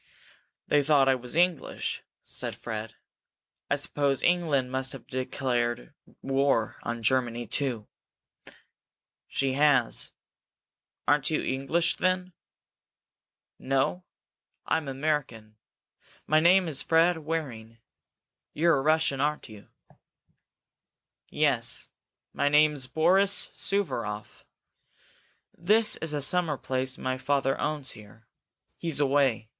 "They thought I was English," said Fred. "I suppose England must have declared war on Germany, too." "She has. Aren't you English, then?" "No, I'm American. My name's Fred Waring. You're a Russian, aren't you?" "Yes. My name's Boris Suvaroff. This is a summer place my father owns here. He's away.